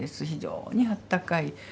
非常にあったかい